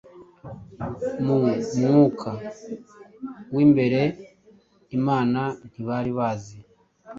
Mu mwuka wimbereImana ntibari bazi